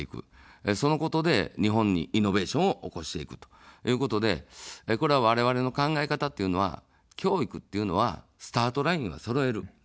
そのことで日本にイノベーションを起こしていくということで、これ、われわれの考え方というのは教育っていうのは、スタートラインをそろえる。